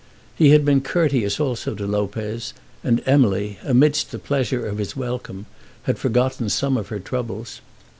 He had been courteous also to Lopez, and Emily, amidst the pleasure of his welcome, had forgotten some of her troubles.